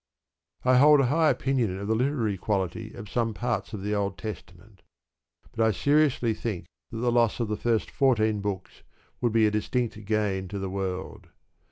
I hold a high opinion of the literary quality of some parts of the Old Testament; but I seriously think that the loss of the first fourteen books would be a distinct gain to the world.